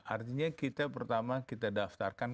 artinya kita pertama kita daftarkan